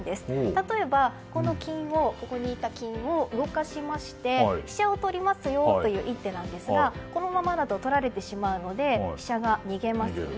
例えば、この金を動かしまして飛車をとりますよという一手なんですがこのままだととられてしまうので飛車が逃げますよね。